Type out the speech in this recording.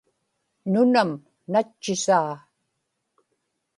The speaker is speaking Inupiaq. nunam natchisaa